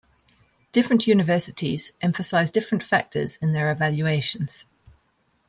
Different universities emphasize different factors in their evaluations.